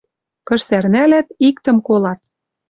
Кыш сӓрнӓлӓт, иктӹм колат: